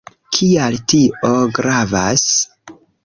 Kial tio gravas?